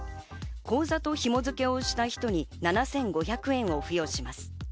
口座と紐づけをした人に７５００円を付与します。